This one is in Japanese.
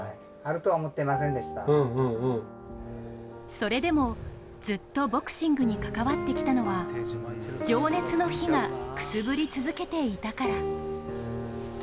それでもずっとボクシングに関わってきたのは情熱の火がくすぶり続けていたから。